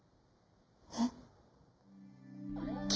えっ？